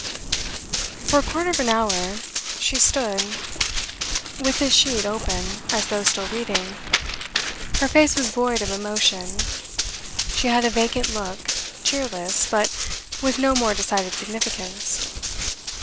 For a quarter of an hour she stood with this sheet open, as though still reading. Her face was void of emotion; she had a vacant look, cheerless, but with no more decided significance.